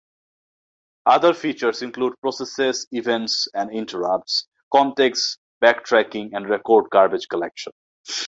Other features include processes, events and interrupts, contexts, backtracking and record garbage collection.